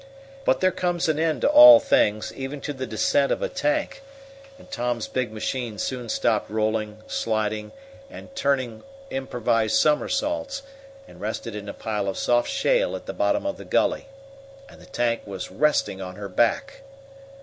But there comes an end to all things, even to the descent of a tank, and Tom's big machine soon stopped rolling, sliding, and turning improvised somersaults, and rested in a pile of soft shale at the bottom of the gully. And the tank was resting on her back!